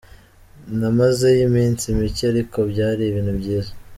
Namazeyo iminsi mike ariko byari ibintu byiza.